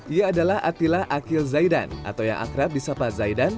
ia adalah atila akil zaidan atau yang akrab di sapa zaidan